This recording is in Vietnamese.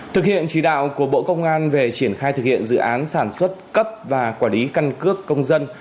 thực hiện chỉ đạo của bộ công an về triển khai thực hiện dự án sản xuất cấp và quản lý căn cước công dân